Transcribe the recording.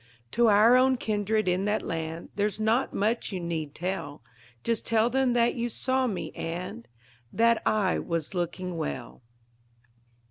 To our own kindred in that land There's not much you need tell. Just tell them that you saw me, and That I was looking well.